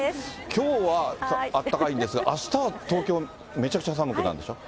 きょうはあったかいんですが、あしたは東京めちゃくちゃ寒くなるんでしょ。